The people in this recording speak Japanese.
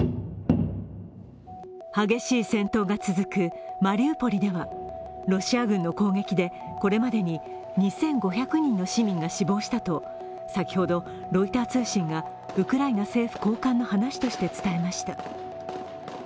激しい戦闘が続くマリウポリではロシア軍の攻撃でこれまでに２５００人の市民が死亡したと先ほどロイター通信がウクライナ政府高官の話しとして伝えました。